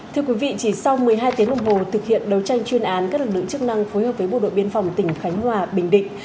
thưa quý vị chỉ sau một mươi hai tiếng đồng hồ thực hiện đấu tranh chuyên án các lực lượng chức năng phối hợp với bộ đội biên phòng tỉnh khánh hòa bình định